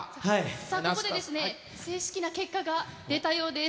さあ、ここで正式な結果が出たようです。